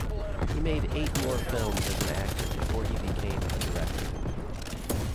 He made eight more films as an actor before he became a director.